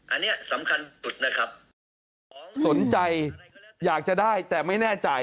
อันนี้สำคัญสุดนะครับสนใจอยากจะได้แต่ไม่แน่ใจ